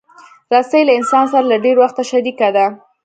رسۍ له انسان سره له ډېر وخته شریکه ده.